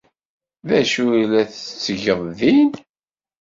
D acu i la tettgeḍ din?